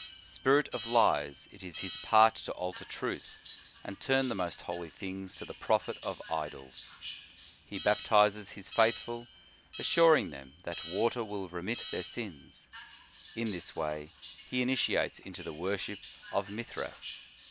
" Spirit 11* 126 The Sign of the Cross of lies, it is his part to alter truth, and turn the most holy things to the profit of idols. He baptizes his faithful, assuring them that water will remit their sins ; in this way he initiates into the worship of Mithras.